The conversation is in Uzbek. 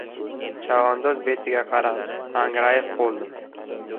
Chavandoz betiga qarab, angrayib qoldim.